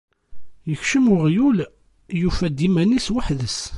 Ikcem weγyul, yufa-d iman is weḥd-s.